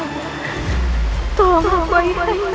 ayah dinda mohon tolong kami